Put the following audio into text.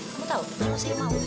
kamu tau kalau saya mau